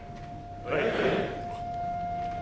はい。